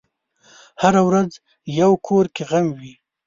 هره ورځ یو کور کې غم وي.